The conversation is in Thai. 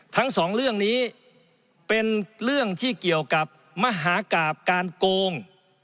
ทั้งสองเรื่องนี้เป็นเรื่องที่เกี่ยวกับมหากราบการโกง